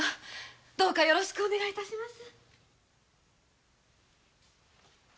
どうかよろしくお願い致します。